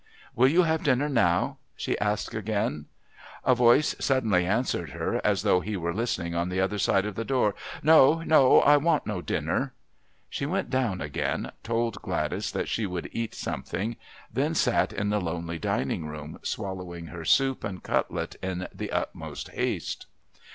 "Will you have dinner now?" she asked again. A voice suddenly answered her as though he were listening on the other side of the door. "No, no. I want no dinner." She went down again, told Gladys that she would eat something, then sat in the lonely dining room swallowing her soup and cutlet in the utmost haste.